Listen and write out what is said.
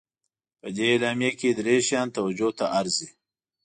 په دې اعلامیه کې درې شیان توجه ته ارزي.